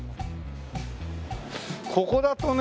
ここだとね